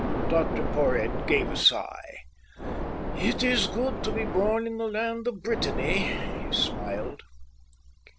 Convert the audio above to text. Dr Porhoët gave a sigh. "It is good to be born in the land of Brittany," he smiled.